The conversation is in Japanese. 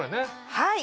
はい。